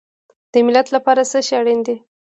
د ملت لپاره څه شی اړین دی؟